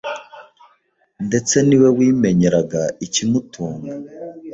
ndetse ni we wimenyeraga ikimutunga.